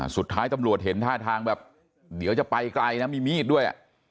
สุดท้ายตำรวจเห็นท่าทางแบบเดี๋ยวจะไปไกลนะมีมีดด้วย